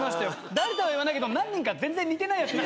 誰とは言わないけど何人か全然似てないやつ。